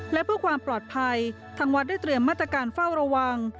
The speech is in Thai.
และเพื่อความปลอดภัยทางวัดได้เตรียมมาตรการเฝ้าระวัง